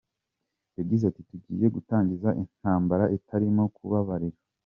Yagize ati,“Tugiye gutangiza intambara itarimo kubabarira.